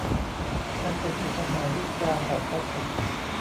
นั่นเป็นปริศนายุคกลางแบบคลาสสิก